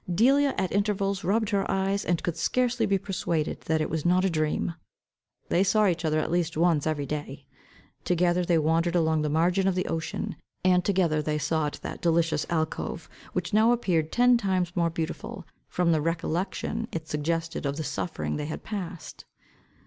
Delia, at intervals, rubbed her eyes, and could scarcely be persuaded that it was not a dream. They saw each other at least once every day. Together they wandered along the margin of the ocean, and together they sought that delicious alcove, which now appeared ten times more beautiful, from the recollection it suggested of the sufferings they had passed.